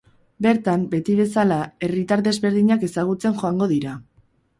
Bertan, beti bezala, herritar desberdinak ezagutzen joango dira.